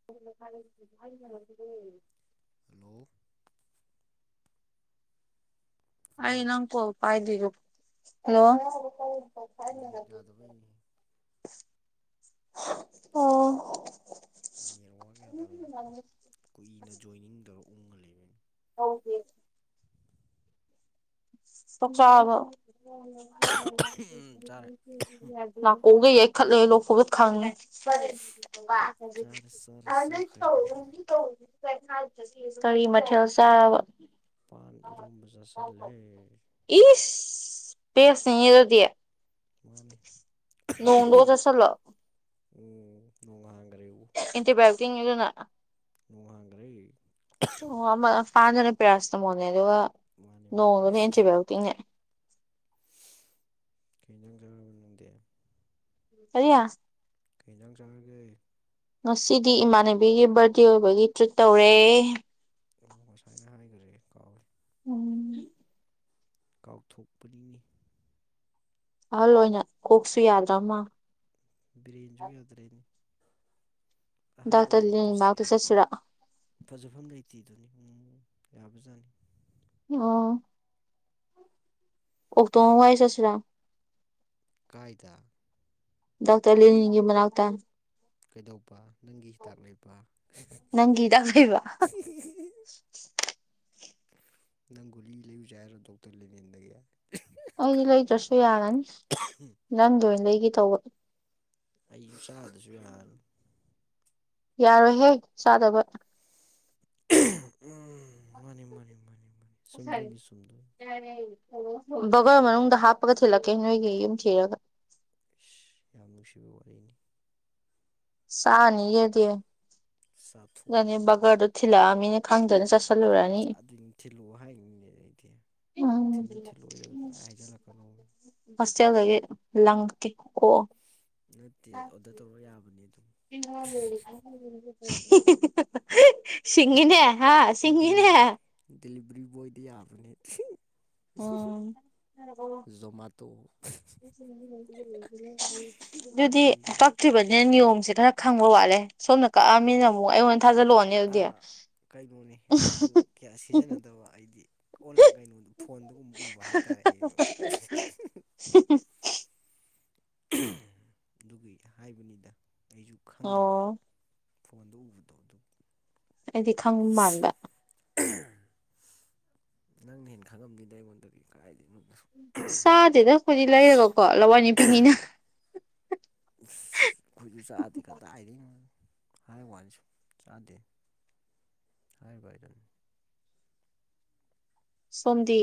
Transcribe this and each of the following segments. [inaudible] Hello hello ꯑꯩ ꯅꯪ call ꯄꯥꯏꯗ꯭ꯔꯤꯗꯣ ꯅꯦꯠ ꯌꯥꯗꯕꯩꯅꯤ [unintelligible] [inaudible] ꯑꯣ ꯅꯦꯠꯋꯥꯛ ꯌꯥꯗꯕꯩꯅꯤ ꯀꯨꯏꯅ ꯖꯣꯏꯅꯤꯡꯗꯧꯔ ꯎꯡꯉꯥ ꯂꯩꯕꯩꯅꯤ [unintelligible] ꯆꯥꯔꯦ [unintelligible] [inaudible] ꯅꯥꯀꯣꯡꯒ ꯌꯩꯈꯠꯂꯦ ꯂꯣꯛ ꯈꯨꯕꯗ ꯈꯪꯉꯦ ꯆꯥꯔꯦ ꯆꯥꯔꯦ ꯆꯥꯈ꯭ꯔꯦ [unintelligible] ꯀꯔꯤ ꯃꯊꯦꯜ ꯆꯔꯕ ꯄꯥꯟ ꯏꯔꯣꯝꯕ ꯆꯥꯁꯜꯂꯦ ꯏꯁ ꯄꯦꯁ [unintelligible] ꯗꯤ ꯃꯥꯅꯦ ꯅꯣꯡꯗꯣ [unintelligible] ꯎꯝ ꯅꯣꯡ ꯍꯥꯡꯈ꯭ꯔꯦꯕꯨ ꯏꯟꯇꯤꯕꯥꯌꯣꯇꯤꯛꯅꯤ ꯑꯗꯨꯅ ꯅꯣꯡꯍꯥꯡꯒ꯭ꯔꯦ ꯑꯣ ꯑꯃ [unintelligible] ꯄꯦꯔꯁꯤꯇꯥꯃꯣꯜꯅꯦ ꯑꯗꯨꯒ ꯃꯥꯅꯦ ꯃꯥꯅꯦ ꯅꯣꯡꯗꯨꯅ ꯑꯦꯟꯇꯤꯕꯥꯌꯣꯇꯤꯛꯅꯦ ꯀꯩ ꯏꯟꯖꯥꯡ ꯆꯥꯔꯕ ꯅꯪꯗꯤ [unintelligible] ꯀꯩ ꯏꯟꯖꯥꯡ ꯆꯥꯔꯒꯦ ꯉꯁꯤꯗꯤ ꯏꯃꯥꯟꯅꯕꯤꯒꯤ ꯕꯥꯔꯗꯦ ꯑꯣꯏꯕꯒꯤ ꯇ꯭ꯔꯤꯠ ꯇꯧꯔꯦ ꯉꯁꯥꯏꯅ ꯍꯥꯏꯒꯔ꯭ꯦ ꯀꯥꯎ ꯎꯝ ꯀꯥꯎꯊꯣꯛꯄꯅꯤꯅꯦ ꯑꯍꯜ ꯑꯣꯏꯅ ꯀꯣꯛꯁꯨ ꯌꯥꯗ꯭ꯔ ꯃꯥꯜ ꯕ꯭ꯔꯦꯟꯁꯨ ꯌꯥꯗꯔ꯭ꯦꯟ ꯗꯥꯛꯇꯜ ꯂꯦꯟ ꯑꯣꯏꯔꯛꯄꯁꯦ ꯃꯅꯥꯛꯇ ꯆꯠꯁꯤꯔ ꯐꯖꯐꯝ ꯂꯩꯇꯦꯗꯨꯅꯤ ꯎꯝ ꯌꯥꯕꯖꯥꯠꯅꯤ ꯑꯣ ꯑꯣꯛꯇꯣ ꯑꯃ ꯋꯥꯏ ꯆꯠꯁꯤꯔꯥ ꯀꯥꯏꯗ ꯗꯥꯛꯇꯔ ꯂꯦꯅꯤꯟꯒꯤ ꯃꯅꯥꯥꯛꯇ ꯀꯩꯗꯧꯕ ꯅꯪꯒꯤ ꯍꯤꯗꯥꯛ ꯂꯩꯕ [unintelligible] [unintelligible] ꯅꯪ ꯒꯨꯂꯤ ꯂꯩꯌꯨꯁꯦ ꯍꯥꯏꯔꯣ ꯗꯣꯛꯇꯔ ꯂꯦꯅꯤꯟꯗꯒꯤ ꯑꯩꯗꯤ ꯂꯩꯗꯔ꯭ꯁꯨ ꯌꯥꯔꯅꯤ ꯅꯪꯒꯤ ꯑꯣꯏꯅ ꯂꯩꯒꯦ ꯇꯧꯕ ꯑꯩꯁꯨ ꯆꯥꯗꯁꯨ ꯌꯥꯅꯤ ꯌꯥꯔꯣꯏꯍꯦ ꯆꯥꯗꯕ ꯎꯝ ꯃꯥꯅꯤ ꯃꯥꯅꯤ ꯃꯥꯅꯤ ꯃꯥꯅꯤ ꯆꯨꯝꯗꯣꯏꯅꯤ ꯆꯨꯝꯗꯣꯏꯅꯤ ꯕꯒꯔ ꯃꯅꯨꯡꯗ ꯍꯥꯞꯄꯒ ꯊꯤꯜꯂꯛꯀꯦ ꯅꯣꯏꯒꯤ ꯌꯨꯝ ꯊꯤꯔꯒ ꯏꯁ ꯌꯥꯝ ꯅꯨꯡꯁꯤꯕ ꯋꯥꯔꯤꯅꯤ ꯆꯥꯅꯤꯌꯦꯗꯤ ꯁꯥꯞ ꯕꯒꯔꯗꯨ ꯊꯤꯂꯛꯑꯃꯤꯅꯦ ꯈꯪꯗꯅ ꯆꯠ ꯆꯥꯗꯣꯏꯅꯤ ꯊꯤꯜꯂꯛꯑꯣ ꯍꯥꯏꯅꯤꯅꯦ ꯑꯩꯗꯤ ꯎꯝ ꯅꯪ ꯊꯤꯟꯁꯨ ꯊꯤꯜꯂꯛꯑꯣꯏꯗ ꯄꯪꯍꯥꯏ ꯍꯥꯏꯖꯜꯂꯛꯀꯅꯣ ꯍꯣꯁꯇꯦꯜꯗꯒꯤ ꯂꯪꯀꯦ ꯀꯣꯛꯑꯣ ꯅꯠꯇꯦ ꯑꯣꯗꯔ ꯇꯧꯔ ꯌꯥꯕꯅꯤ ꯑꯗꯨꯝ [unintelligible] ꯁꯤꯡꯉꯤꯅꯦ ꯍꯥ ꯁꯤꯡꯉꯤꯅꯦ ꯗꯤꯂꯤꯚꯔꯤ ꯗꯤꯂꯤꯚꯔꯤ ꯕꯣꯏꯗꯤ ꯌꯥꯝꯕꯅꯦ ꯎꯝ ꯖꯣꯃꯥꯇꯣ ꯗꯨꯗꯤ ꯎꯝ ꯀꯛꯇꯔꯤꯕ ꯅꯤꯌꯣꯝꯁꯤ ꯈꯔ ꯈꯪꯕ ꯋꯥꯠꯂꯦ ꯁꯣꯝꯅ ꯀꯛꯑꯃꯤꯅꯃꯨꯛ ꯑꯩꯉꯣꯟ ꯊꯥꯖꯜꯂꯣ ꯀꯩꯅꯣꯅꯦ ꯑꯩꯁꯨ ꯀꯌꯥ ꯁꯤꯖꯤꯟꯅꯗꯕ ꯑꯩꯗꯤ ꯀꯣꯟꯅ ꯀꯩꯅꯣ ꯐꯣꯟꯗꯒꯨꯝꯕ ꯎꯕ ꯍꯥꯏꯇꯥꯔꯦ ꯑꯩꯁꯨ [unintelligible] ꯑꯗꯨꯒꯤ ꯍꯥꯏꯕꯅꯤꯗ ꯑꯩꯁꯨ ꯈꯪꯗꯕ ꯑꯣ ꯐꯣꯟꯗ ꯎꯕ [unintelligible] ꯑꯩꯗꯤ ꯈꯪ ꯃꯥꯟꯕ ꯅꯪꯅ ꯍꯦꯟꯅ ꯈꯪꯉꯝꯅꯤꯗ ꯑꯩꯉꯣꯟꯗꯒꯤ ꯀꯔꯥꯏꯗꯩꯩꯅꯣ ꯆꯥꯗꯦꯗ ꯑꯩꯈꯣꯏꯗꯤ ꯂꯩꯔꯒꯀꯣ ꯂꯋꯥꯏ ꯅꯤꯄꯤꯅꯤꯅ ꯈꯣꯏꯖꯨ ꯆꯥꯗꯦ ꯀꯗꯥꯏꯗꯩꯅꯣ ꯍꯥꯏ ꯋꯥꯅꯤ ꯆꯥꯗꯦ [unintelligible] ꯁꯣꯝꯗꯤ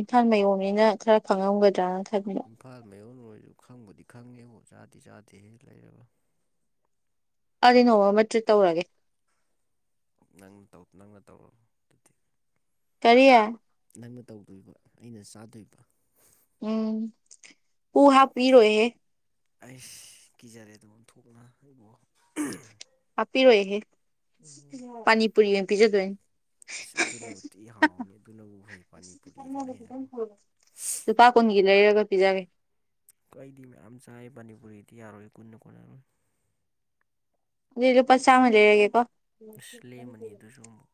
ꯏꯝꯐꯥꯜ ꯃꯌꯣꯟꯅꯤꯅ ꯈꯔ ꯈꯪꯉꯝꯒꯗ꯭ꯔꯅ [unintelligible] ꯏꯝꯐꯥꯜ ꯃꯌꯣꯟ ꯑꯣꯏꯔꯁꯨ ꯈꯪꯕꯨꯗꯤ ꯈꯪꯉꯦꯕꯨ ꯆꯥꯗꯤ ꯆꯥꯗꯦ ꯍꯦ ꯂꯩꯔꯕ ꯑꯗꯨꯗꯤ ꯅꯣꯡꯃ ꯑꯃ ꯇ꯭ꯔꯤꯠ ꯇꯧꯔꯒꯦ ꯅꯪꯅ ꯇꯧ ꯅꯪꯅ ꯇꯧꯔꯣ ꯑꯗꯨꯗꯤ ꯀꯔꯤ ꯅꯪꯅ ꯇꯧꯗꯣꯏꯕ ꯑꯩꯅ ꯆꯥꯗꯣꯏꯕ ꯎꯝ ꯍꯨ ꯍꯥꯞꯄꯤꯔꯣꯏꯍꯦ ꯑꯩꯁ ꯀꯤꯖꯔꯦꯗ ꯑꯣꯟꯊꯣꯛꯅ ꯑꯩꯕꯣ ꯍꯥꯞꯄꯤꯔꯣꯏꯍꯦ ꯄꯥꯅꯤ ꯄꯨꯨꯔꯤ ꯑꯣꯏꯅ ꯄꯤꯖꯗꯣꯏꯅꯦ ꯏ꯭ꯁ ꯑꯗꯨꯅꯕꯨ ꯊꯨ ꯍꯥꯎꯅꯤ ꯑꯗꯨꯅꯕꯨ ꯐꯩ ꯄꯥꯅꯤꯄꯨꯔꯤꯗꯨꯅ ꯍꯦꯟꯅꯕꯨ ꯂꯨꯄꯥ ꯀꯨꯟꯒꯤ ꯂꯩꯔꯒ ꯄꯤꯖꯒꯦ ꯑꯩꯗꯤ ꯃꯌꯥꯝ ꯆꯥꯏ ꯄꯅꯤꯄꯨꯔꯤꯗꯤ ꯌꯥꯔꯣꯏ ꯀꯨꯟꯅ ꯀꯣꯟꯅꯔꯣꯏ ꯑꯗꯨꯗꯤ ꯂꯨꯄꯥ ꯆꯥꯝꯃꯩ ꯂꯩꯔꯒꯦꯀꯣ ꯏ꯭ꯁ ꯂꯦꯝꯃꯅꯤ ꯑꯗꯨꯁꯨ ꯑꯃꯨꯛ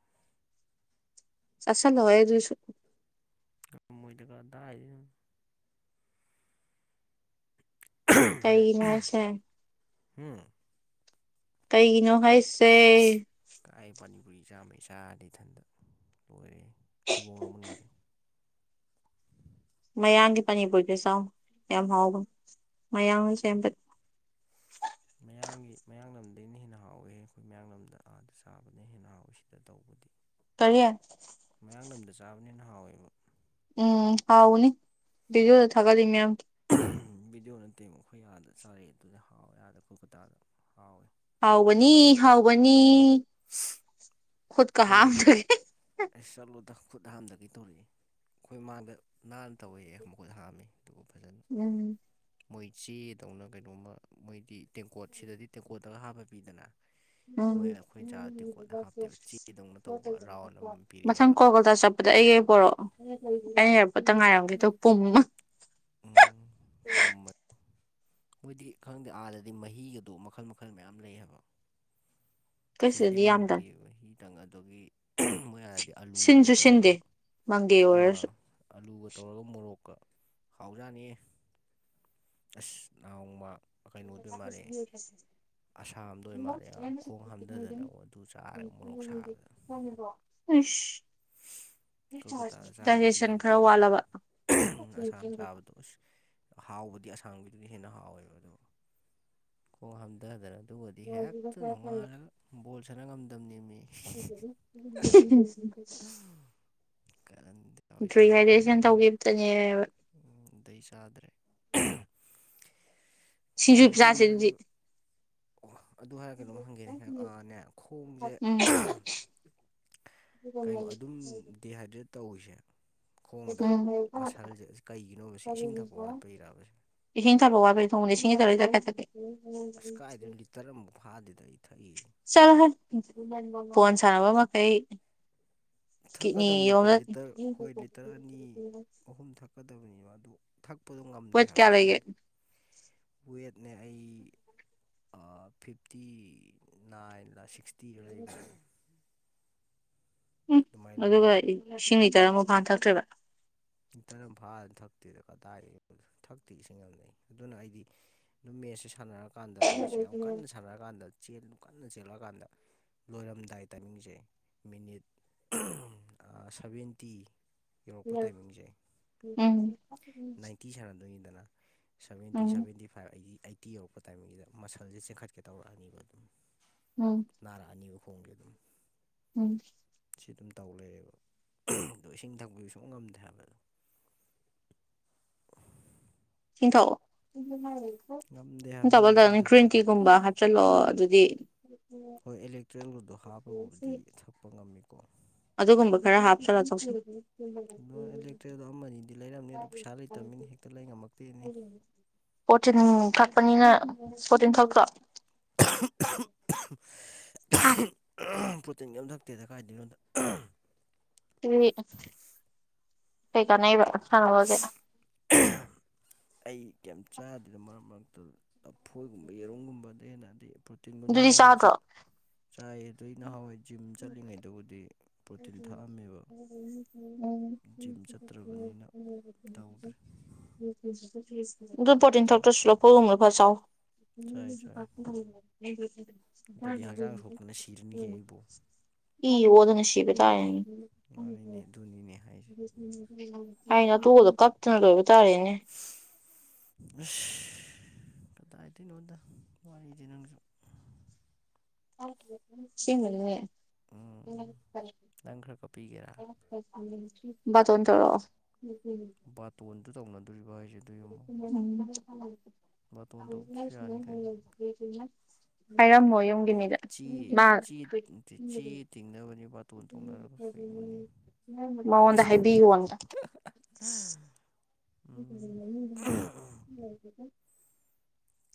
ꯆꯥꯁꯜꯂꯣꯍꯦ ꯑꯗꯨꯁꯨ ꯉꯝꯃꯣꯏꯗ ꯀꯗꯥꯏꯗꯩꯅꯣꯗꯥ ꯀꯩꯒꯤꯅꯣ ꯍꯥꯏꯁꯦ ꯍꯨꯝ ꯀꯩꯒꯤꯅꯣ ꯍꯥꯏꯁꯦ ꯀꯥꯏ ꯄꯅꯤꯄꯨꯔꯤ ꯆꯥꯃꯩ ꯆꯥꯔꯗꯤ ꯏꯊꯟꯗ ꯂꯣꯏꯔꯦꯍꯦ ꯊꯤꯕꯣꯡ ꯂꯥꯎꯃꯟꯈꯔꯦ ꯃꯌꯥꯡꯒꯤ ꯄꯥꯅꯤꯄꯨꯔꯤꯗꯨ ꯆꯥꯎ ꯌꯥꯝ ꯍꯥꯎꯕꯅꯦ ꯃꯌꯥꯡꯅ ꯁꯦꯝꯕ [inaudible] ꯃꯌꯥꯡꯒꯤ ꯃꯌꯥꯡ ꯂꯝꯗꯒꯤꯅ ꯍꯦꯟꯅ ꯍꯥꯎꯋꯦꯍꯦ ꯑꯩꯈꯣꯏ ꯃꯌꯥꯡꯂꯝꯗ ꯑꯥꯗ ꯆꯥꯕꯅ ꯍꯦꯟꯅ ꯍꯥꯎꯋꯤ ꯁꯤꯗ ꯇꯧꯕꯗꯤ ꯀꯔꯤ ꯃꯌꯥꯡꯂꯝꯗ ꯆꯥꯕꯅ ꯍꯦꯟꯅ ꯍꯥꯎꯋꯦꯕ ꯎꯝ ꯍꯥꯎꯕꯅꯤ ꯕꯤꯗꯤꯑꯣꯗ ꯊꯥꯒꯠꯂꯤ ꯃꯌꯥꯝ ꯚꯤꯗꯤꯑꯣ ꯅꯠꯇꯦ ꯑꯩꯈꯣꯏ ꯑꯥꯗ ꯆꯥꯔꯛꯑꯦ ꯑꯗꯨꯗꯤ ꯍꯥꯎꯋꯦ ꯑꯥꯗ ꯀꯣꯜꯀꯇꯥꯗ ꯍꯥꯎꯋꯦ ꯍꯥꯎꯕꯅꯤ ꯍꯥꯎꯕꯅꯤ ꯈꯨꯠꯀ ꯈꯣꯡꯖꯨ ꯍꯥꯝꯗꯒꯩ ꯑꯩ ꯆꯠꯂꯨꯗ ꯈꯨꯠ ꯍꯥꯝꯗꯒꯤ ꯇꯧꯔꯤꯌꯦ ꯑꯩꯈꯣꯏ ꯃꯥꯡꯗ ꯅꯥꯟꯅ ꯇꯧꯋꯌꯦ ꯃꯈꯨꯠ ꯍꯥꯝꯃꯤ ꯑꯗꯨꯝ ꯐꯖꯅ ꯎꯝ ꯃꯣꯏ ꯆꯦꯗꯧꯅ ꯀꯩꯅꯣꯝꯃ ꯃꯣꯏꯗꯤ ꯇꯦꯡꯀꯣꯠ ꯁꯤꯗꯗꯤ ꯇꯦꯡꯀꯣꯠꯇꯒ ꯍꯥꯞꯄ ꯄꯤꯗꯅ ꯎꯟ ꯃꯣꯏ ꯑꯩꯈꯣꯏ ꯆꯥꯗ ꯇꯦꯡꯀꯣꯠꯇ ꯍꯥꯞꯇꯦꯕ ꯆꯦꯗꯧꯅ ꯇꯧꯕ ꯔꯥꯎꯟ ꯑꯃꯃꯝ ꯃꯊꯪ ꯄꯤꯔꯛꯑꯦꯕ ꯀꯣꯜꯀꯇꯥ ꯆꯞ ꯑꯗ ꯑꯩꯒꯤ ꯄꯣꯔꯛꯑꯣ ꯑꯩꯅ ꯑꯦꯌ꯭ꯔꯄꯣ꯭ꯔꯠꯇ ꯉꯥꯏꯔꯝꯒꯦ ꯑꯗꯨꯒ ꯄꯨꯝ ꯎꯝ ꯄꯨꯝꯃ ꯃꯣꯏꯗꯤ ꯈꯪꯗꯦ ꯑꯥꯗꯗꯤ ꯃꯍꯤꯒꯗꯣ ꯃꯈꯜ ꯃꯈꯜ ꯃꯌꯥꯝ ꯂꯩ ꯍꯥꯏꯕ ꯑꯩꯈꯣꯏ ꯁꯤꯗꯗꯤ ꯃꯪꯒꯦ ꯌꯥꯝꯗꯕꯅꯤ ꯃꯍꯤꯗꯪ ꯑꯗꯨꯒꯤ ꯃꯣꯏ ꯑꯥꯗꯗꯤ ꯁꯤꯟꯁꯨ ꯁꯤꯟꯗꯦ ꯃꯪꯒꯦ ꯑꯥ ꯑꯣꯏꯔꯁꯨ ꯑꯂꯨꯒ ꯇꯧꯔꯒ ꯃꯣꯔꯣꯛꯀ ꯍꯥꯎꯖꯥꯅꯤꯌꯦ ꯑ꯭ꯁ ꯅꯥꯎꯃ [inaudible] ꯑꯁꯥꯝꯗ ꯑꯣꯏ ꯃꯥꯜꯂꯦꯍꯥ ꯈꯣꯡ ꯍꯥꯝꯊꯗꯅꯉꯣ ꯑꯗꯨ ꯆꯥꯔꯒ ꯃꯣꯔꯣꯛ ꯁꯥꯕꯗ ꯈꯪꯉꯕꯣ [unintelligible] ꯏ꯭ꯁ ꯀꯜꯀꯇꯥꯗ ꯆꯥꯕꯗꯨꯗꯤ ꯗꯥꯏꯖꯦꯁꯟ ꯀꯩꯝ ꯈꯔ ꯇꯧꯗꯦ ꯋꯥꯠꯂꯕ ꯎ꯭ꯁ ꯍꯥꯎꯕꯗꯤ ꯑꯁꯥꯝꯒꯤꯗꯨꯅ ꯍꯦꯟꯅ ꯍꯥꯎꯋꯦꯕ ꯑꯗꯣ ꯈꯣꯡ ꯍꯥꯝꯊꯗꯅ ꯑꯗꯨꯒꯗꯤ ꯍꯦꯛꯇ ꯅꯨꯡꯉꯥꯜꯂꯒ ꯕꯣꯜ ꯁꯥꯟꯅ ꯉꯝꯗꯕꯅꯦꯃꯤ [unintelligible] ꯀꯥꯔꯟꯗꯤ ꯨꯗ꯭ꯔꯨꯏ ꯍꯥꯏꯗꯤ ꯏꯁꯤꯁꯟ ꯇꯧꯒꯤꯕꯇꯅꯦꯕ ꯎ ꯗꯩꯩ ꯆꯥꯗ꯭ꯔꯦ ꯁꯤꯡꯖꯨ ꯆꯥꯁꯤ ꯑꯗꯨꯗꯤ ꯑꯣ ꯑꯗꯨ ꯍꯥꯏꯔꯒ ꯀꯩꯅꯣꯝ ꯍꯪꯒꯦꯅꯦ ꯑꯥ ꯅꯦ ꯈꯣꯡꯖꯦ ꯎꯝ [inaudible] ꯀꯩꯅꯣ ꯑꯗꯨꯝ ꯗꯤꯍꯥꯏꯗ꯭ꯔꯦꯠ ꯇꯧꯋꯤꯖꯦ ꯈꯣꯡꯗ ꯎꯝ ꯃꯁꯜꯖꯦ ꯀꯩꯒꯤꯅꯣꯕꯁꯤ ꯏꯁꯤꯡ ꯊꯛꯄ ꯋꯥꯠꯄꯩꯔꯕꯕꯁꯤ ꯏꯁꯤꯡ ꯊꯥꯕ ꯋꯥꯕꯩ ꯊꯣꯡꯅ ꯏꯁꯤꯡꯁꯤꯗꯔ [unintelligible] ꯑꯁ ꯀꯥꯏꯗꯩꯅꯣ ꯒꯤꯇꯔ ꯑꯃꯨꯛ ꯐꯥꯗꯦꯗ ꯑꯩ ꯊꯟꯒꯤ ꯆꯂꯣ ꯍꯦ ꯐꯣꯟ ꯁꯥꯟꯕ ꯃꯈꯩ ꯀꯤꯠꯅꯤ ꯊꯛꯀꯗꯝꯅꯤꯀꯣ ꯌꯣꯝꯗ ꯂꯤꯇꯔ ꯍꯣꯏ ꯂꯤꯠ ꯇꯔ ꯑꯅꯤ ꯑꯍꯨꯝ ꯊꯛꯀꯗꯕꯅꯤꯕ ꯑꯗꯨ ꯊꯛꯄꯗꯣ ꯉꯝꯗꯦ ꯋꯦꯠ ꯍꯥꯏꯕ ꯀꯌꯥ ꯂꯩꯒꯦ ꯏꯁꯤꯡꯗꯣ ꯋꯦꯠꯅꯦ ꯑꯩ ꯑꯥ ꯐꯤꯐꯇꯤ ꯅꯥꯏꯟꯂ ꯁꯤꯛꯁꯇꯤꯔ ꯂꯩꯕꯅꯦ ꯎꯝ ꯑꯗꯨꯃꯥꯏꯅ ꯑꯗꯨꯒ ꯂꯩꯕꯅꯤ ꯏꯁꯤꯡ ꯂꯤꯇꯔ ꯑꯃ ꯐꯥ ꯊꯛꯇ꯭ꯔꯤꯕ ꯏꯟꯇꯔꯝ ꯐꯥꯅ ꯊꯛꯇꯦꯗ ꯀꯗꯥꯏꯗꯩ ꯊꯛꯇꯦ ꯏꯁꯤꯡ ꯉꯝꯅꯩ ꯑꯗꯨꯅ ꯑꯩꯗꯤ ꯑꯗꯨꯝ ꯃꯦꯠꯁꯦ ꯁꯥꯟꯅꯔꯀꯥꯟꯗ ꯃꯦꯠꯁꯁꯦ ꯌꯥꯝ ꯀꯟꯅ ꯁꯥꯟꯅꯔꯀꯥꯟꯗ ꯆꯦꯜꯗꯨ ꯀꯟꯅ ꯆꯦꯜꯂꯛꯑꯀꯥꯟꯗ ꯂꯣꯏꯔꯝꯗꯥꯏ ꯇꯥꯏꯃꯤꯡꯖꯦ ꯃꯤꯅꯤꯠ ꯑꯥ ꯁꯚꯦꯟꯇꯤ ꯇꯥꯏꯃꯤꯡꯖꯦ ꯎꯝ ꯅꯥꯏꯟꯇꯤ ꯁꯥꯟꯅꯗꯣꯏꯅꯤꯗꯅ ꯁꯕꯦꯟꯇꯤ ꯎꯝ ꯁꯕꯦꯟꯇꯤ ꯐꯥꯏꯚ ꯑꯩꯗꯤ ꯑꯥꯏꯠꯇꯤ ꯌꯧꯔꯛꯄ ꯇꯥꯏꯃꯤꯡꯖꯤꯗ ꯃꯁꯜꯖꯦ ꯆꯦꯟꯈꯠꯀꯦ ꯇꯧꯔꯛꯑꯅꯤꯕ ꯎꯝ ꯅꯥꯔꯛꯑꯅꯤꯕ ꯈꯣꯡꯗꯤ ꯑꯗꯨꯝ ꯎꯝ ꯁꯤ ꯑꯗꯨꯝ ꯇꯧ ꯂꯩꯔꯦꯕ ꯑꯗꯣ ꯏꯁꯤꯡ ꯊꯛꯄꯖꯤ ꯁꯨꯡꯉꯝ ꯉꯝꯗꯦ ꯍꯥꯏꯕ ꯑꯗꯣ ꯁꯤꯡꯊꯛꯑꯣ ꯉꯝꯗꯦ ꯁꯤꯡ ꯊꯛꯄ ꯍꯥꯏꯕꯅꯤꯅ ꯏꯁꯤꯡ ꯇꯜꯂ ꯒ꯭ꯔꯤꯟ ꯊꯛꯄꯗꯣ ꯇꯤꯒꯨꯝꯕ ꯆꯠꯂꯣ ꯑꯗꯨꯗꯤ ꯍꯣꯏ ꯏꯂꯦꯛꯇ꯭ꯔꯤꯑꯦꯟ ꯒꯨꯗꯣ ꯍꯥꯞꯄꯒꯨꯕꯨꯗꯤ ꯊꯛꯄ ꯉꯝꯃꯤꯀꯣ ꯑꯗꯨꯒꯨꯝꯕ ꯈꯔ ꯍꯥꯞꯆꯜꯂ ꯆꯧꯁꯤ ꯑꯗꯣ ꯑꯦꯂꯦꯛꯇ꯭ꯔꯤꯗ ꯑꯃ ꯅꯤꯗꯤ ꯂꯩꯔꯝꯅꯤ ꯑꯗꯨ ꯄꯩꯁꯥ ꯂꯩꯇꯕꯃꯤꯅ ꯍꯦꯛꯇ ꯂꯩ ꯉꯝꯃꯛꯇꯦꯅꯦ ꯄꯣꯔꯇꯤꯟ ꯀꯛꯄꯅꯤꯅ ꯄꯣꯔꯇꯤꯟ ꯊꯛꯇ꯭ꯔꯣ ꯑ ꯄ꯭ꯔꯣꯇꯤꯟ ꯑꯝ ꯊꯛꯇꯦꯗ ꯀꯥꯏꯗꯩꯅꯣꯗ ꯑꯗꯨꯗꯤ ꯀꯩ ꯀꯥꯅꯩꯕ ꯁꯅꯕꯒꯤ ꯑꯩ ꯀꯦꯛ ꯆꯥꯗꯦꯗ ꯃꯔꯛ ꯃꯔꯛꯇ ꯂꯐꯣꯏꯒꯨꯝꯕ ꯌꯦꯔꯨꯝꯒꯨꯝꯕꯗꯩ ꯍꯦꯟꯅ ꯗꯩ ꯄ꯭ꯔꯣ ꯇꯤꯟꯕꯨ ꯑꯗꯨꯗꯤ ꯅꯍꯥꯟꯋꯥꯏꯖꯤ ꯆꯥꯗ꯭ꯔꯣ ꯆꯥꯏꯌꯦ ꯑꯗꯨꯏ ꯅꯍꯥꯟꯋꯥꯏ ꯖꯤꯝ ꯆꯠꯂꯤꯉꯩꯗꯕꯨꯗꯤ ꯄ꯭ꯔꯣꯇꯤꯟ ꯊꯛꯑꯝꯃꯦꯕ ꯎ ꯎ ꯎꯝ ꯖꯤꯝ ꯆꯠꯇ꯭ꯔꯕꯅꯤꯅ ꯇꯧꯗ꯭ꯔꯦ [unintelligible] ꯑꯗꯨ ꯄꯣꯔꯇꯤꯟ ꯆꯥꯏ ꯊꯛꯇ꯭ꯔꯁꯨ ꯂꯥꯐꯣꯏꯒꯨꯝꯕ ꯈꯔ ꯆꯥꯎ ꯆꯥꯏ ꯆꯥꯏ ꯅꯠꯇ꯭ꯔꯗꯤ ꯍꯛꯆꯥꯡ ꯁꯣꯛꯇꯅ ꯁꯤꯔꯅꯤꯍꯦ [unintelligible] ꯑꯩꯕꯨ [unintelligible] ꯏ ꯑꯣꯗꯅ ꯁꯤꯕ ꯇꯥꯔꯦꯅꯦ ꯃꯥꯅꯤꯅꯦ ꯑꯗꯨꯅꯤꯅꯦ ꯍꯥꯏꯁꯦ [unintelligible] ꯀꯥꯢꯅꯊꯣꯛꯑꯒ ꯀꯥꯞꯇꯅ ꯂꯣꯏꯕ ꯇꯥꯔꯦꯅꯦ ꯢꯁ ꯀꯗꯥꯏꯗꯩꯅꯣꯗ ꯋꯥꯔꯤꯗꯤ ꯅꯪꯁꯨ ꯑꯁꯦꯡꯕꯅꯤꯅꯦ ꯎꯝ ꯅꯪ ꯈꯔ ꯀꯥꯞꯄꯤꯒꯦꯔꯥ ꯄꯥꯔꯇꯣꯟ ꯇꯧꯔꯛꯑꯣ ꯕꯥꯇꯣꯟꯗꯨ ꯇꯧꯅꯗꯣꯔꯤꯕ ꯍꯥꯏꯁꯤ ꯕꯥꯇꯣꯟ ꯇꯧꯗ꯭ꯔꯁꯨ ꯌꯥꯅꯤ ꯑꯝ ꯀꯩꯅꯣ ꯍꯥꯏꯔꯝꯃꯣ ꯌꯨꯝꯒꯤ ꯃꯤꯗ ꯆꯦ ꯃꯥ ꯆꯦ ꯆꯦ ꯇꯤꯡꯅꯕꯅꯤ ꯕꯥꯔ ꯇꯣꯟ ꯇꯧꯅꯔꯒ ꯀꯩꯅꯣꯅꯦ ꯃꯉꯣꯟꯗ ꯍꯥꯏꯕꯤꯌꯣꯅ ꯎꯝ ꯎ [inaudible]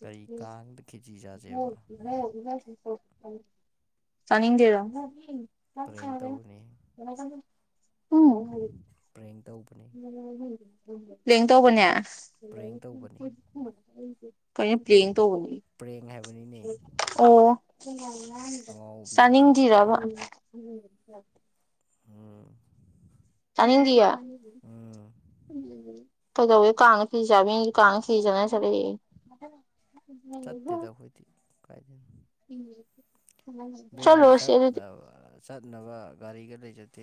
ꯀꯔꯤ ꯀꯥꯡꯗ ꯈꯦꯆꯤ ꯍ ꯆꯥꯁꯦꯕ [unintelligible] ꯆꯥꯅꯤꯡꯗꯦꯗ ꯄ꯭ꯔꯦꯡ ꯇꯧꯕꯅꯤ ꯎꯝ ꯄ꯭ꯔꯦꯡ ꯇꯧꯕꯅꯤ ꯄ꯭ꯂꯦꯡ ꯇꯧꯕꯅꯦ ꯄ꯭ꯔꯦꯡ ꯇꯧꯕꯅꯤ ꯀꯩꯅꯣ ꯄ꯭ꯂꯦꯡ ꯇꯧꯕꯅꯤ ꯄ꯭ꯔꯦꯡ ꯍꯥꯏꯕꯅꯤꯅꯦ ꯑꯣ ꯑꯉꯥꯎꯕꯤꯁꯤꯗꯤ ꯆꯥꯅꯤꯡꯗ꯭ꯔꯤꯔꯥꯕ ꯎꯝ ꯑꯝ ꯆꯥꯅꯤꯡꯗꯤꯌꯦ ꯀꯩꯗꯧꯋꯦ ꯀꯥꯡꯗ ꯈꯦꯆꯤ ꯆꯥꯅꯕ ꯃꯤꯅ ꯀꯥꯡꯗ ꯈꯦꯆꯤ ꯆꯥꯟꯅꯕ ꯆꯠꯂꯦꯌꯦ ꯆꯠꯇꯦꯗ ꯑꯩꯈꯣꯏꯗꯤ ꯀꯥꯏꯗꯩꯅꯣ ꯏꯕꯦꯝꯃ ꯆꯠꯂꯔꯣꯢꯁꯤ ꯑꯗꯨꯗꯤ ꯆꯠꯅꯕ ꯆꯠꯅꯕ ꯒꯥꯔꯤꯒ ꯂꯩꯖꯗꯦ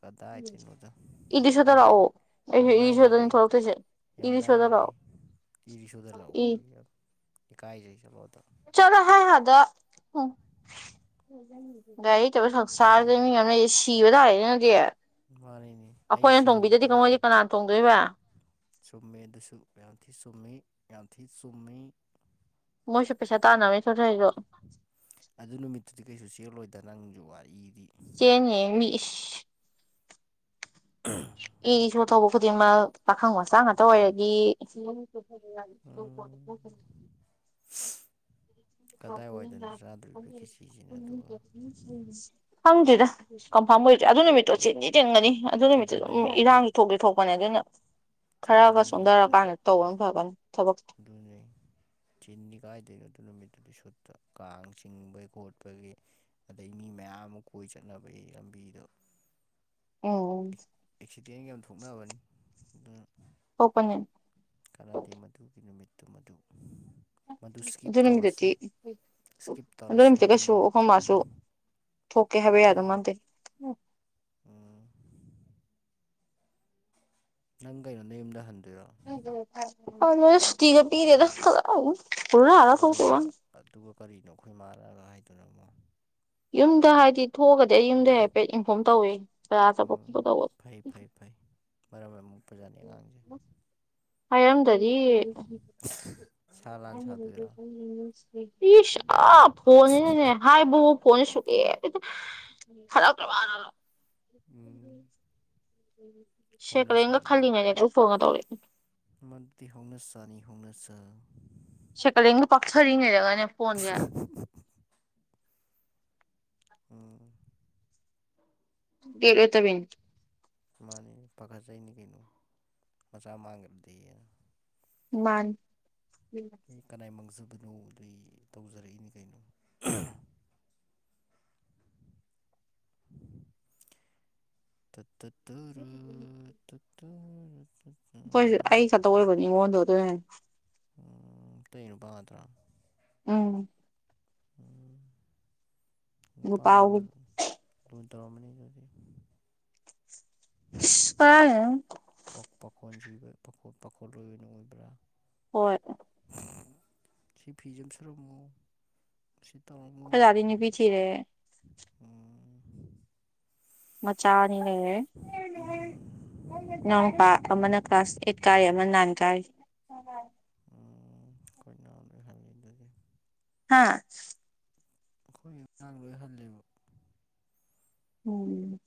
ꯀꯗꯥꯏꯗꯣꯏꯅꯣꯗ ꯏꯔꯤꯁꯣꯗ ꯌꯥꯝ ꯂꯥꯛꯑꯣ ꯌꯥꯝ ꯑꯩꯁꯨ ꯂꯥꯏꯔꯔꯦ ꯏꯔꯤꯁꯣꯗꯅꯤ ꯊꯣꯛꯂꯛꯇꯣꯏꯁꯦ ꯌꯥꯝ ꯏꯔꯤꯁꯣꯗ ꯂꯥꯏꯔꯔꯦ ꯂꯥꯛꯑꯣ ꯏꯔꯤꯛꯁꯣꯗ ꯏ ꯂꯥꯛꯎꯕꯒꯤ ꯌꯥꯝ ꯏꯀꯥꯏꯖꯩ ꯆꯠꯂꯣꯗ ꯆꯠꯂꯣꯍꯦ ꯑꯗꯥ ꯒꯥꯔꯤ ꯂꯩꯇꯕ ꯁꯪꯁꯥꯔ ꯁꯤꯗ ꯃꯤ ꯃꯌꯥꯝ ꯂꯩꯔꯤꯁꯤ ꯁꯤꯕ ꯇꯥꯔꯦꯅꯦ ꯑꯗꯨꯗꯤ ꯃꯥꯅꯤꯅꯦ ꯑꯩ ꯑꯩꯈꯣꯏꯅ ꯊꯣꯡꯕꯤꯗ꯭ꯔꯗꯤ ꯁꯤꯍꯧꯗ꯭ꯔꯦ ꯃꯣꯢꯗꯤ ꯀꯅꯥꯅꯥ ꯇꯣꯡꯗꯨꯏꯕ ꯆꯨꯝꯃꯦ ꯑꯗꯨꯁꯨ ꯌꯥꯝ ꯊꯤ ꯆꯨꯝꯃꯤ ꯌꯥꯝ ꯊꯤ ꯆꯨꯝꯃꯤ ꯃꯣꯏꯁꯨ ꯄꯩꯁꯥ ꯇꯥꯅꯕꯅꯤ ꯊꯣꯛꯂꯛꯢꯗꯨ ꯑꯗꯨ ꯅꯨꯃꯤꯠꯇꯨꯗꯤ ꯀꯩꯁꯨ ꯆꯦꯜꯂꯣꯏꯗ ꯅꯪꯁꯨ ꯋꯥꯔꯤꯗꯤ ꯆꯦꯟꯅꯤ ꯃꯤ ꯢꯁ ꯑꯥ [unintelligible] ꯏ ꯔꯤꯛꯁꯣ ꯊꯧꯕ ꯈꯨꯗꯤꯡꯃꯛ ꯄꯥꯈꯪ ꯃꯆꯥ ꯉꯥꯛꯇ ꯑꯣꯏꯔꯗꯤ ꯐ ꯎꯝ ꯇ [inaudible] ꯀꯗꯥꯏꯋꯥꯏꯗꯅꯣ ꯆꯥꯗꯧꯔꯤꯕ ꯈꯦꯁꯤꯁꯤꯅ ꯑꯗꯨꯒ ꯈꯪꯗꯦꯗ ꯀꯟꯐꯥꯝ ꯑꯣꯏꯗ꯭ꯔꯤ ꯑꯗꯨ ꯅꯨꯃꯤꯠꯇꯣ ꯆꯤꯟꯗꯤ ꯆꯤꯟꯕꯅꯤ ꯑꯗꯨ ꯅꯨꯃꯤꯠꯇꯨ ꯑꯗꯨꯝ ꯑꯗꯨꯅꯦ ꯏꯔꯥꯡꯗꯤ ꯊꯣꯛꯇꯤ ꯊꯣꯛꯄꯅꯤ ꯑꯗꯨꯅ ꯈꯔꯒ ꯆꯤꯟꯒ ꯅꯨꯃꯤꯠꯇꯨꯗ ꯁꯣꯟꯊꯔꯀꯥꯟꯗ ꯇꯧꯕꯅ ꯐꯕꯅꯤ ꯊꯕꯛꯇꯤ ꯑꯗꯨꯅꯦ ꯆꯤꯟꯅꯤ ꯀꯥꯏꯗꯩꯅꯣ ꯑꯗꯨ ꯅꯨꯃꯤꯠꯇꯨꯗꯤ ꯁꯨꯠꯇ ꯀꯥꯡ ꯆꯤꯡꯕꯒꯤ ꯈꯣꯠꯄꯒꯤ ꯑꯗꯩ ꯃꯤ ꯃꯌꯥꯝ ꯑꯃ ꯀꯣꯏ ꯆꯠꯅꯕꯒꯤ ꯂꯝꯕꯤꯗꯣ ꯎꯝ ꯑꯦꯛꯁꯤꯗꯦꯟꯒ ꯌꯥꯝ ꯊꯣꯛꯅꯕꯅꯤ ꯑꯗꯨꯅ ꯊꯣꯛꯄꯅꯦ ꯀꯥꯟꯅꯗꯦ ꯃꯗꯨꯒꯤ ꯅꯨꯃꯤꯠꯇꯨ ꯃꯗꯨ꯫ ꯃꯗꯨ ꯏꯁ꯭ꯀꯤꯞ ꯑꯗꯨ ꯇꯧꯔꯁꯤ ꯅꯨꯃꯤꯠꯇꯨꯗꯤ ꯏꯁ꯭ꯀꯤꯞ ꯑꯗꯨ ꯇꯧꯔꯁꯤ ꯅꯨꯃꯤꯠꯇ ꯃꯗꯨꯏ ꯀꯩꯁꯨ ꯑꯩꯈꯣꯏ ꯅꯨꯃꯤꯠꯇꯨ꯫ ꯃꯥꯁꯨ ꯊꯣꯛꯀꯦ ꯍꯥꯏꯕ ꯌꯥꯗꯧꯃꯥꯟꯗꯦ꯫ ꯑꯣ ꯅꯪ ꯀꯩꯅꯣ ꯅꯌꯨꯝꯗ ꯍꯟꯗꯣꯏꯔꯣ꯫ ꯍꯟꯂꫭꯏ ꯁꯨꯇꯤꯒ ꯄꯤꯗꯦꯗ ꯀꯗꯥꯏ [unintelligible] ꯑꯗꯨꯒ ꯑꯗꯨꯒ ꯀꯔꯤꯅꯣ ꯑꯈꯣꯏ ꯃꯥꯅꯒ ꯍꯥꯏꯗꯨꯅ ꯑꯃꯨꯛ꯫ ꯌꯨꯝꯗ ꯍꯥꯏꯗꯤ ꯊꯣꯛꯑꯒꯗꯤ ꯑꯩ ꯌꯨꯝꯗꯩ ꯍꯥꯏꯐꯦꯠ ꯏꯟꯐꯣꯝ ꯇꯧꯋꯤ ꯆꯔꯥ ꯆꯠꯄ ꯎꯝ ꯈꯣꯠꯄ ꯇꯧꯕ ꯐꯩ ꯐꯩ ꯐꯩ ꯃꯔꯝ ꯌꯥꯝ ꯑꫭꯛꯄꯖꯥꯠꯅꯤ ꯑꯉꯥꯡꯁꯦ꯫ ꯍꯥꯏꯔꯝꯗꯗꯤ [unintelligible] ꯁꯥꯗꯣꯏꯔꯥ [inaudible] [inaudible] ꯏꯁ ꯑꯥ ꯐꯣꯟꯅꯤꯅꯅꯦ ꯍꯥꯏꯕ ꯐꯣꯟ ꯁꯨꯀꯦ [inaudible] ꯎꯝ [inaudible] ꯁꯦꯀꯦꯜꯍꯦꯜꯒ ꯍꯧꯅꯁꯥꯅꯤ ꯈꯜꯂꯤꯉꯩꯗ ꯑꯗꯨ ꯐꯣꯟꯒ ꯇꯧꯔꯛꯑꯦ꯫ ꯃꯗꯤ ꯍꯧꯅꯁꯥꯅꯤ ꯍꯧꯅꯁꯥ꯫ ꯁꯦꯀꯜ ꯍꯦꯟꯒꯤ ꯄꯥꯛꯊꯔꯤꯉꯩꯗꯒꯅꯦ ꯐꯣꯟꯁꯦ ꯑꯥ ꯕꯦꯛ ꯂꯩꯇꯕꯤꯅꯤ꯫ ꯃꯥꯅꯤ ꯄꯥꯈꯠꯆꯩꯅꯤ ꯀꯩꯅꯣ ꯃꯆꯥ ꯃꯥꯡꯈ꯭ꯔꯗꯤꯌꯦꯅ꯫ ꯃꯥꯅꯤ [inaudible] ꯑꯩ ꯀꯅꯥꯏ ꯃꯥꯡꯖꯕꯅꯣ ꯑꯗꯩ ꯇꯧꯖꯔꯛꯏꯅꯤ ꯀꯩꯅꯣ [unintelligible] [unintelligible] ꯑꯩꯈꯣꯏꯁꯨ ꯑꯩ ꯈꯛꯇ ꯑꯣꯏꯕꯅꯤ ꯉꯣꯟꯗꯣ [inaudible] ꯎꯝ ꯑꯇꯩ ꯅꯨꯄꯥ ꯉꯥꯛꯇꯔꫭ꯫ ꯎꯝ ꯎꯝ ꯅꯨꯄꯥ ꯃꯌꯥꯝ ꯑꯃ ꯂꯨ ꯇꯧꯔꯝꯃꯅꯤ ꯑꯗꯨꯗꯤ꯫ [inaudible] ꯄ ꯄꯥꯈꯣꯟ ꯁꯤꯕ ꯄꯥꯈꯣ ꯄꯥꯈꫭ ꯂꯣꯏꯕꯅ ꯑꯣꯏꯕ꯭ꯔꯥ꯫ ꯍꯣꯏ꯫ [unintelligible] ꯁꯤ ꯐꯤꯖꯦ ꯑꯝ ꯁꯨꯔꯝꯃꯣ꯫ ꯁꯤ ꯇꯧ ꯈꫭꯏ ꯗꯥꯗꯤ ꯅꯨꯄꯤ ꯊꯤꯔꯦ꯫ [unintelligible] ꯃꯆꯥ ꯑꯅꯤ ꯂꯩꯔꯦ [inaudible] ꯏꯅꯥꯎꯄꯥ ꯑꯃꯅ ꯀ꯭ꯂꯥꯁ ꯑꯦꯠ ꯀꯥꯔꯤ ꯑꯃ ꯅꯥꯏꯟ ꯀꯥꯔꯤ꯫ ꯎ ꯑꯈꯣꯏꯅꯥꯎꯅ ꯍꯜꯂꯦ ꯑꯗꯨꯗꯤ꯫ ꯍꯥꯥ꯫ ꯑꯈꯣꯏꯒꯤꯥ ꯙꯥꯎꯅ ꯂꯣꯏ ꯍꯜꯂꯦꯕ꯫ ꯎꯝ